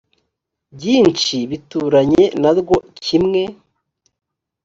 byinshi bituranye na rwo kimwe